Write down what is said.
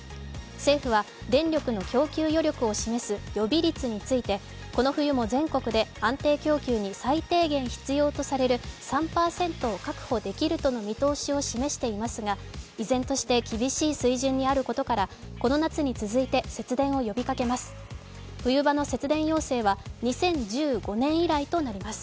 政府は電力の供給余力を示す予備率について、この冬も全国で安定供給に最低限必要とされる３％を確保できるとの見通しを示していますが依然として厳しい水準にあることからこの夏に続いて節電を呼びかけま冬場の節電要請は２０１５年以来となります。